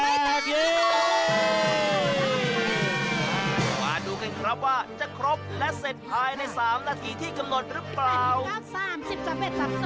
มาดูกันครับว่าจะครบและเสร็จภายใน๓นาทีที่กำหนดหรือเปล่า